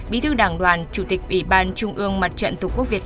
bi thư đảng đoàn chủ tịch ubnd